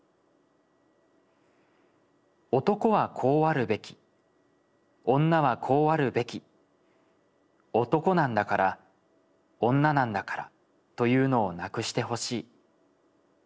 「男はこうあるべき女はこうあるべき男なんだから女なんだからというのをなくしてほしい。